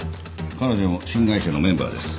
彼女も新会社のメンバーです。